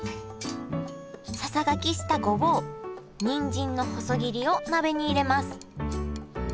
ささがきしたごぼうにんじんの細切りを鍋に入れます。